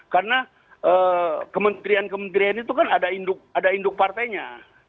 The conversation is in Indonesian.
karena kementerian kementerian itu kan ada induk partainya